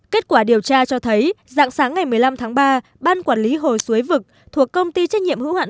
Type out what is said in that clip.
kết quả điều tra cho thấy dạng sáng ngày một mươi năm tháng ba ban quản lý hồ suối vực thuộc công ty trách nhiệm hữu hạn